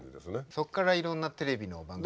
そこからいろんなテレビの番組も。